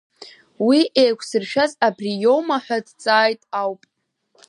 Уи еиқәзыршәаз абри иоума ҳәа дҵааит ауп.